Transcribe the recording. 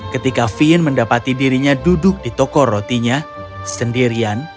ketika fin mendapati dirinya duduk di toko rotinya sendirian